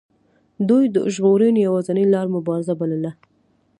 دوی د ژغورنې یوازینۍ لار مبارزه بلله.